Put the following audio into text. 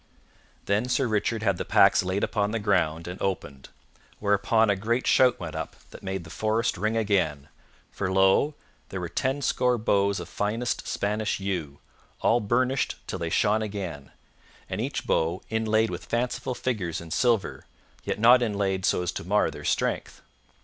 Then Sir Richard had the packs laid upon the ground and opened, whereupon a great shout went up that made the forest ring again, for lo, there were tenscore bows of finest Spanish yew, all burnished till they shone again, and each bow inlaid with fanciful figures in silver, yet not inlaid so as to mar their strength.